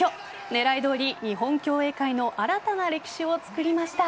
狙いどおり、日本競泳界の新たな歴史を作りました。